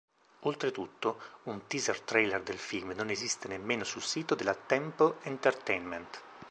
Oltretutto, un teaser trailer del film non esiste nemmeno sul sito della Tempe Entertainment.